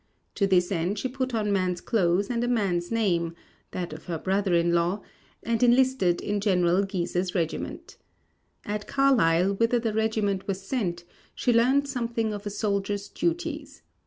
To this end she put on man's clothes and a man's name (that of her brother in law) and enlisted in General Guise's regiment. At Carlisle, whither the regiment was sent she learned something of a soldier's duties.